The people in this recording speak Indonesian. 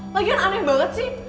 lagian aneh banget sih